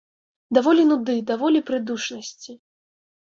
Даволі нуды, даволі прыдушанасці!